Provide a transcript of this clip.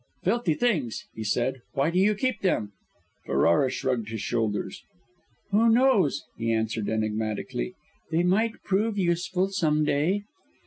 "Filthy things!" he said. "Why do you keep them?" Ferrara shrugged his shoulders. "Who knows?" he answered enigmatically. "They might prove useful, some day."